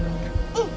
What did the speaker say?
うん。